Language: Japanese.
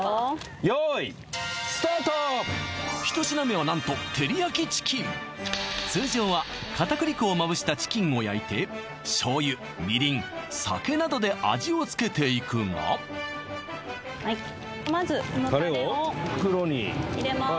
用意１品目は何と通常は片栗粉をまぶしたチキンを焼いて醤油みりん酒などで味を付けていくがはいまずこのタレをタレを袋に入れます